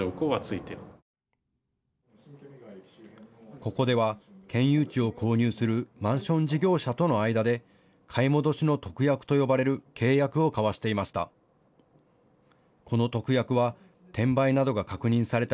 ここでは県有地を購入するマンション事業者との間で買戻しの特約と呼ばれる契約を交わしていました。